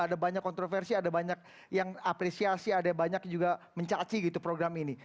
ada banyak kontroversi ada banyak yang apresiasi ada banyak juga mencaci gitu program ini